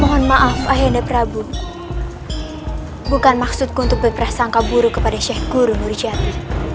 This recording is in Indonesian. mohon maaf ayahnya prabu bukan maksud untuk berperasangka buruk kepada syekh guru nurjati